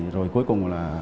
rồi cuối cùng là